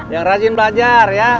yang rajin belajar ya